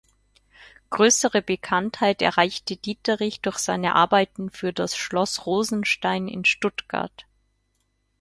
Größere Bekanntheit erreichte Dieterich durch seine Arbeiten für das Schloss Rosenstein in Stuttgart.